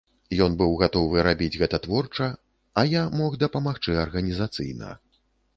Ён быў гатовы рабіць гэта творча, а я мог дапамагчы арганізацыйна.